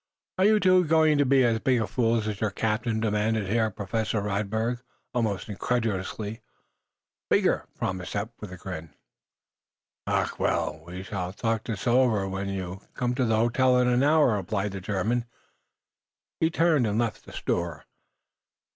"Are you two going to be as big fools as your captain?" demanded Herr Professor Radberg, almost incredulously. "Bigger!" promised Eph, with a grin. "Ach! Well, we shall talk this all over when you come to the hotel in an hour," replied the German. He turned and left the store.